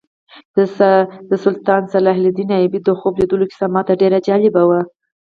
د سلطان صلاح الدین ایوبي د خوب لیدلو کیسه ماته ډېره جالبه وه.